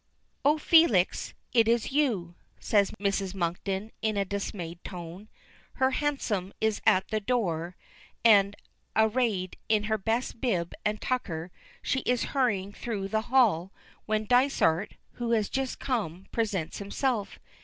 "Oh, Felix is it you!" says Mrs. Monkton in a dismayed tone. Her hansom is at the door and, arrayed in her best bib and tucker, she is hurrying through the hall when Dysart, who has just come, presents himself.